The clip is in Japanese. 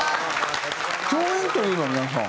共演というのは皆さん。